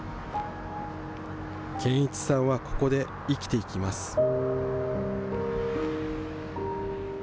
堅一さんはここで生きていきます。